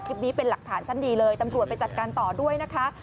คลิปนี้เป็นหลักฐานชั้นดีเลยตำรวจไปจัดการต่อด้วยนะคะ